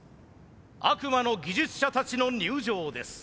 悪魔の技術者たちの入場です。